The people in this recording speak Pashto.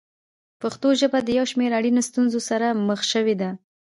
پښتو ژبه د یو شمېر اړینو ستونزو سره مخ شوې ده.